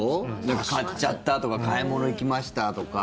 買っちゃったとか買い物行きましたとか。